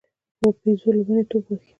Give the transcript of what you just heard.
بيزو له ونو ټوپ وهي.